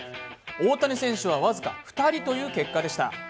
大谷選手は僅か２人という結果でした。